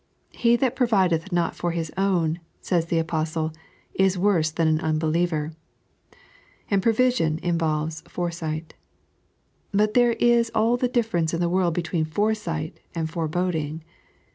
"He that provideth not for his own," says the Apostle, " is worse than an unbeliever" — and provision involves foresight. But there is all the difference in the world between foresight and foreboding.